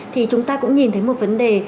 thì chúng ta cũng nhìn thấy một vấn đề